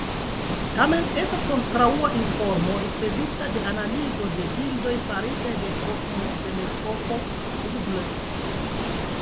Tamen estas kontraŭa informo, ricevita de analizo de bildoj faritaj de Kosmoteleskopo Hubble.